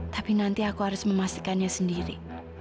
tapi nanti aku harus memastikannya sendiri